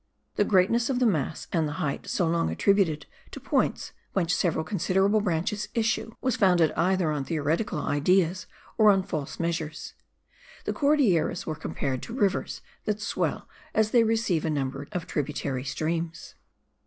The greatness of the mass, and the height so long attributed to points whence several considerable branches issue, was founded either on theoretic ideas or on false measures. The Cordilleras were compared to rivers that swell as they receive a number of tributary streams.